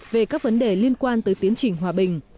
về các vấn đề liên quan tới tiến trình hòa bình